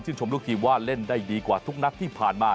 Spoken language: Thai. ชมลูกทีมว่าเล่นได้ดีกว่าทุกนัดที่ผ่านมา